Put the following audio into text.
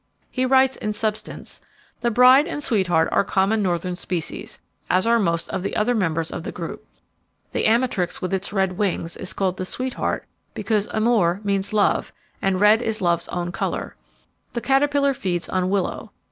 He writes in substance: "The Bride and Sweetheart are common northern species, as are most of the other members of the group. The Amatrix, with its red wings, is called the Sweetheart because amor means love, and red is love's own colour. The caterpillar feeds on willow.